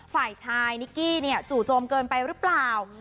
ฝ่ายชายนิกกี้เนี่ยจู่โจมเกินไปหรือเปล่า